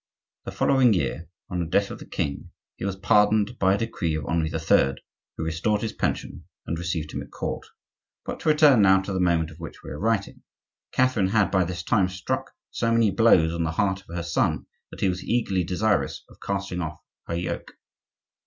The following year, on the death of the king, he was pardoned by a decree of Henri III., who restored his pension, and received him at court. But, to return now to the moment of which we are writing, Catherine had, by this time, struck so many blows on the heart of her son that he was eagerly desirous of casting off her yoke.